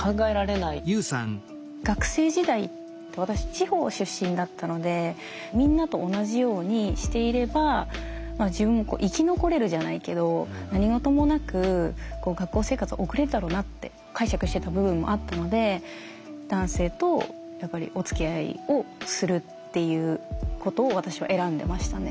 学生時代私地方出身だったのでみんなと同じようにしていればまあ自分もこう生き残れるじゃないけど何事もなく学校生活を送れるだろうなって解釈してた部分もあったので男性とやっぱりおつきあいをするっていうことを私は選んでましたね。